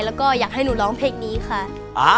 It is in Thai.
แล้วก็อยากให้หนูร้องเพลงนี้ค่ะ